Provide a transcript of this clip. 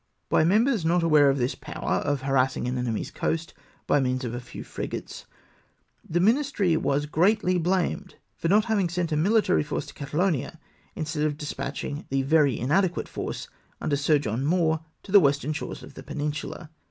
By members not aware of this power of harassing an enemy's coast by means of a few frigates, the ministry was greatly blamed for not having sent a mihtary force to Catalonia, instead of despatching the very inadequate force under Sir John Moore to the western shores of the Peninsula.